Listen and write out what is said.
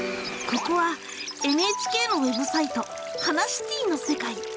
ここはＮＨＫのウェブサイト「ハナシティ」の世界。